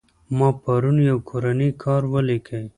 ما پرون يو کورنى کار وليکى.